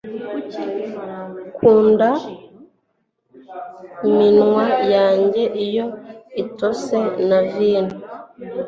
nkunda iminwa yawe iyo itose na vino